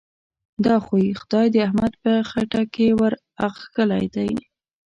دا خوی؛ خدای د احمد په خټه کې ور اخښلی دی.